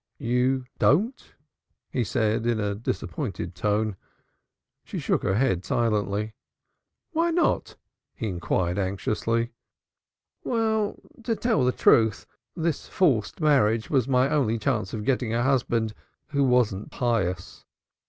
"You don't?" he said in a disappointed tone. She shook her head silently. "Why not?" he inquired anxiously. "Well, to tell the truth, this forced marriage was my only chance of getting a husband who wasn't pious.